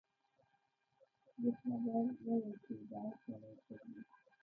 دی خبر نه و چي دا سړی څوک دی